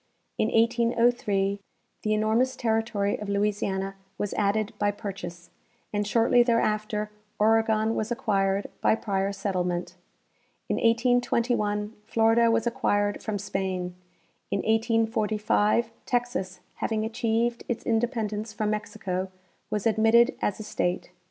In 1803 the enormous territory of Louisiana was added by jDurchase, and shortly there after Oregon was acquired by prior settlement. In 1821 Florida was acquired from Spain. In 1845 Texas, having achieved its independence from Mexico, was admitted as a state.